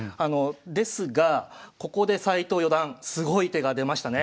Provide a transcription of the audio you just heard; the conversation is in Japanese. ですがここで斎藤四段すごい手が出ましたね。